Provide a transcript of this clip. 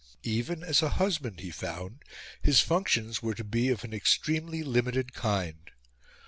Even as a husband, he found, his functions were to be of an extremely limited kind.